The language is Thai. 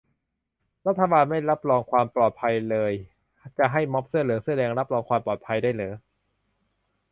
รัฐบาลยังไม่รับรองความปลอดภัยเลย จะให้ม็อบเสื้อเหลืองเสื้อแดงรับรองความปลอดภัยได้เหรอ